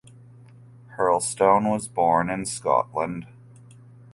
Hurlstone was born in Scotland.